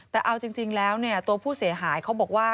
แต่เอาจริงแล้วตัวผู้เสียหายเขาบอกว่า